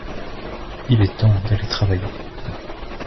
il est temps d'aller travailler.